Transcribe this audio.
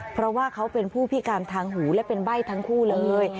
เพราะว่าเขาเป็นผู้พิการทางหูและเป็นใบ้ทั้งคู่เลย